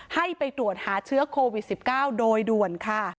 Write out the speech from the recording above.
ให้ไปตรวจหาเชื้อโควิด๑๙โดยด่วนค่ะ